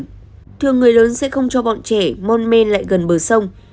trước đây thường người lớn sẽ không cho bọn trẻ mon men lại gần bờ sông